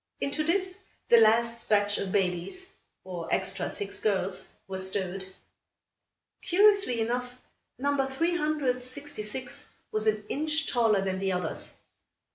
Into this, the last batch of babies, or extra six girls, were stowed. Curiously enough, number 366 was an inch taller than the others.